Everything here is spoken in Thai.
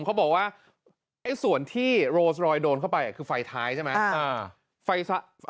เขาบอกว่าไอ้ส่วนที่โรสรอยโดนเข้าไปคือไฟท้ายใช่ไหม